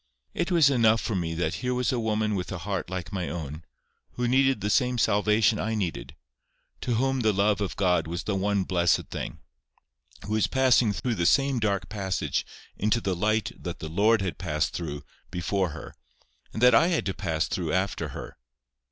It was enough for me that here was a woman with a heart like my own; who needed the same salvation I needed; to whom the love of God was the one blessed thing; who was passing through the same dark passage into the light that the Lord had passed through before her, that I had to pass through after her.